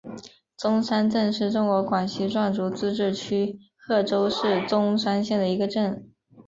钟山镇是中国广西壮族自治区贺州市钟山县的一个镇。